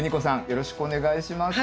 よろしくお願いします。